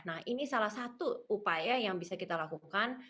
nah ini salah satu upaya yang bisa kita lakukan